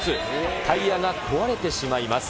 タイヤが壊れてしまいます。